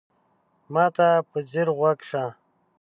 ما ته په ځیر غوږ شه !